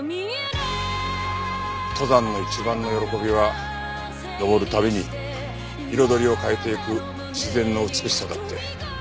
登山の一番の喜びは登るたびに彩りを変えていく自然の美しさだって。